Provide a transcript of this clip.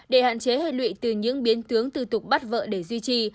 để hạn chế hệ lụy từ những biến tướng tư tục bắt vợ để duy trì